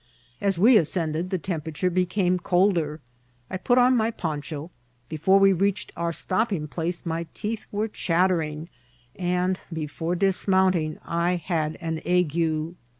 As we ascended the temperature became colder. I put on my poncha ; before we reached our stopping place my teeth were chattering, and before dinnounting I had an ague.